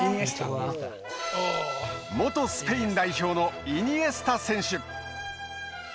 元スペイン代表のイニエスタ選手。